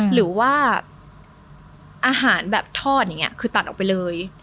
หรือว่าอาหารแบบทอดอย่างนี้คือตัดออกไปเลย